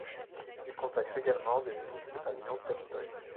Il consacre également des études à Léon Tolstoï.